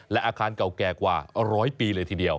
และอาคารเก่าแก่กว่าร้อยปีเลยทีเดียว